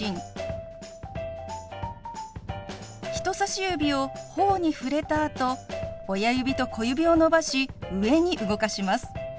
人さし指をほおに触れたあと親指と小指を伸ばし上に動かします。